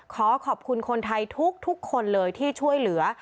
ขอขอบคุณคนไทยทุกคนเลยที่ช่วยเหลือ